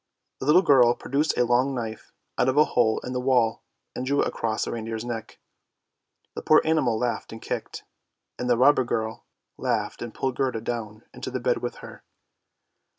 The little girl produced a long knife out of a hole in the wall and drew it across the reindeer's neck. The poor animal laughed and kicked, and the robber girl laughed and pulled Gerda down into the bed with her.